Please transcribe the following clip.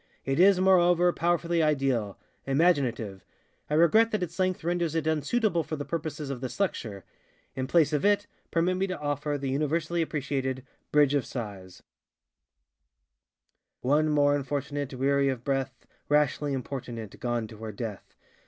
It is, moreover, powerfully idealŌĆöimaginative. I regret that its length renders it unsuitable for the purposes of this lecture. In place of it permit me to offer the universally appreciated ŌĆ£Bridge of SighsŌĆØ:ŌĆö One more Unfortunate, Weary of breath, Rashly importunate Gone to her death!